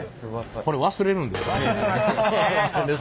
これ忘れるんですよね。